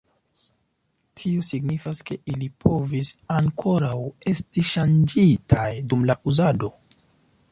Tio signifas ke ili povis ankoraŭ esti ŝanĝitaj dum la uzado.